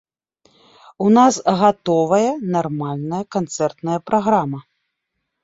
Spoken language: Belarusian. У нас гатовая нармальная канцэртная праграма.